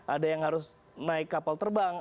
ada yang harus naik kapal terbang